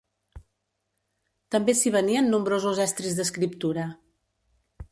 També s'hi venien nombrosos estris d'escriptura.